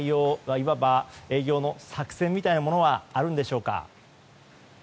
いわば営業の作戦のようなものはあるのでしょうか。